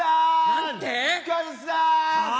何て？